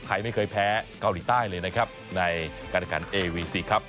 ไทยไม่เคยแพ้เกาหลีใต้เลยนะครับในการขันเอวีซีครับ